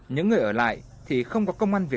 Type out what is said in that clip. những người ở lại thì không có khói